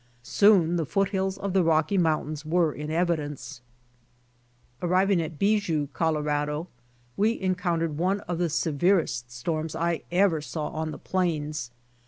Soon the foothills of the Rocky mountains were in evidence. Arriving at Bijou, Colorado, we encountered one 50 BY OX TEAM TO CALIFORNIA of the severest storms I ever saw on the plains.